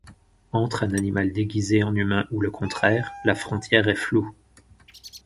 Entre un animal déguisé en humain ou le contraire, la frontière est floue.